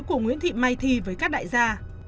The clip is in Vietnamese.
của nguyễn thị mai thi với các đại gia